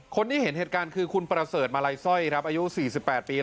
เห็นเหตุการณ์คือคุณประเสริฐมาลัยสร้อยครับอายุ๔๘ปี